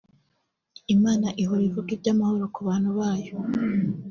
Imana ihora ivuga iby’amahoro ku bantu bayo